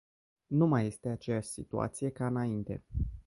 Nu mai este aceeași situație ca înainte.